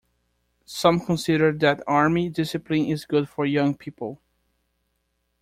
Some consider that army discipline is good for young people.